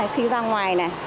khí ra ngoài này